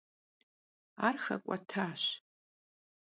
Ar xek'uetaş.